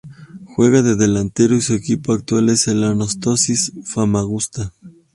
Juega de delantero y su equipo actual es el Anorthosis Famagusta.